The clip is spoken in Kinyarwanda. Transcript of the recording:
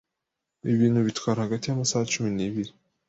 Ibi bintu bitwara hagati y’amasaha cumi nibiri